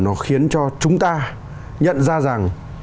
nó khiến cho chúng ta nhận ra rằng